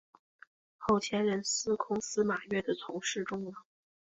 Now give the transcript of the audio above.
后迁任司空司马越的从事中郎。